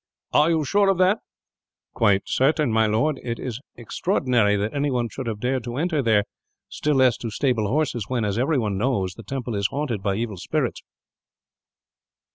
"Are you sure of that?" "Quite certain, my lord. It is extraordinary that anyone should have dared to enter there, still less to stable horses when, as everyone knows, the temple is haunted by evil spirits."